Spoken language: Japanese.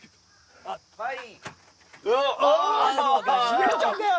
茂雄ちゃんだよ。